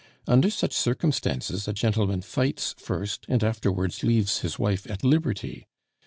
Under such circumstances a gentleman fights first and afterwards leaves his wife at liberty.